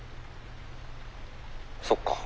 そっか。